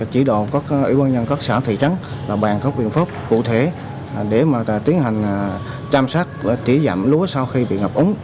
chỉ đồ các ủy quan nhân các xã thị trấn bàn các biện pháp cụ thể để tiến hành chăm sát và tỉ giảm lúa sau khi bị ngập ống